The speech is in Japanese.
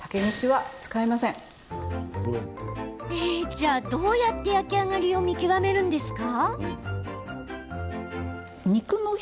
じゃあ、どうやって焼き上がりを見極めるんですか？